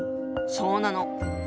そうなの。